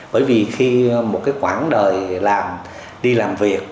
bởi vì khi một quảng đời đi làm việc